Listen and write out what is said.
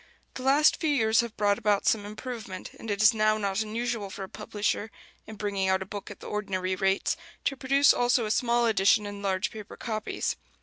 The last few years have brought about some improvement; and it is now not unusual for a publisher, in bringing out a book at the ordinary rates, to produce also a small edition in large paper copies.